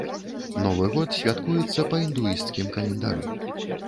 Новы год святкуецца па індуісцкім календары.